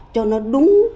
cho nó đúng